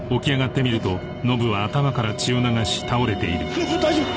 ノブ大丈夫？